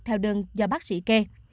theo đơn do bác sĩ kê